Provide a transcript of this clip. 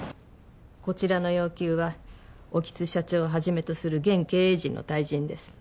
こちらの要求は興津社長をはじめとする現経営陣の退陣です